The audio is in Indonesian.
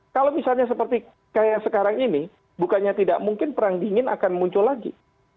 kalau misalnya seperti kayak sekarang ini bukannya tidak mungkin perang dingin akan muncul lagi